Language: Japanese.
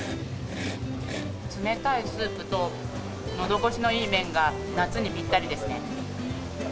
冷たいスープと、のどごしのいい麺が夏にぴったりですね。